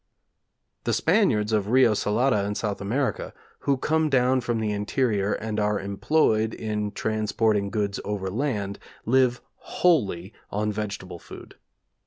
'The Spaniards of Rio Salada in South America, who come down from the interior, and are employed in transporting goods overland, live wholly on vegetable food.